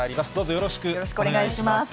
よろしくお願いします。